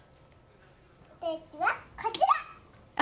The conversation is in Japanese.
お天気はこちら！